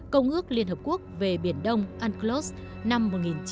công ước liên hợp quốc về biển đông unclos năm một nghìn chín trăm tám mươi hai